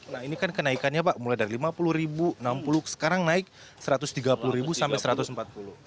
nah ini kan kenaikannya pak mulai dari rp lima puluh rp enam puluh sekarang naik rp satu ratus tiga puluh sampai rp satu ratus empat puluh